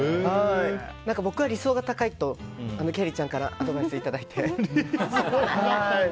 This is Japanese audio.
僕は理想が高いときゃりーちゃんからアドバイスをいただいて。